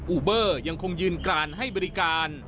ูเบอร์ยังคงยืนกรานให้บริการ